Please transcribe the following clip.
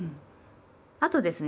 あとですね